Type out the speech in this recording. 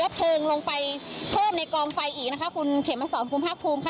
เพิ่มในกองไฟอีกนะคะคุณเขมสอนคุณภาคภูมิค่ะ